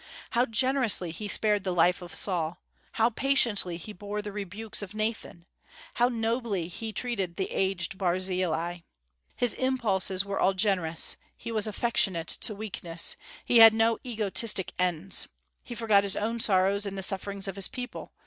How generously he spared the life of Saul! How patiently he bore the rebukes of Nathan! How nobly he treated the aged Barzillai! His impulses were all generous. He was affectionate to weakness. He had no egotistic ends. He forgot his own sorrows in the sufferings of his people.